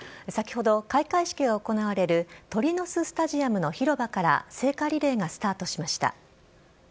先ほど、開会式が行われる鳥の巣スタジアムの広場から、聖火リレーがスタートしました。